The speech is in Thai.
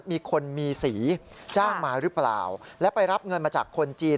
มีคนมีสีจ้างมาหรือเปล่าและไปรับเงินมาจากคนจีน